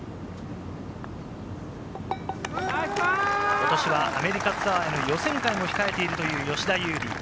ことしはアメリカツアーの予選会も控えているという吉田優利。